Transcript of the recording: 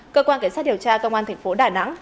cơ quan cảnh sát điều tra công an tp đà nẵng